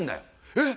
えっ？